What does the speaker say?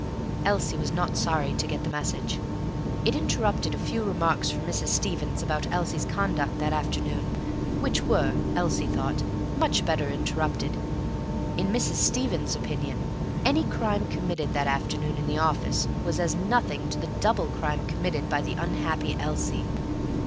Elsie was not sorry to get the message. It interrupted a few remarks from Mrs. Stevens about Elsie's conduct that afternoon which were (Elsie thought) much better interrupted. In Mrs. Stevens' opinion any crime committed that afternoon in the office was as nothing to the double crime committed by the unhappy Elsie.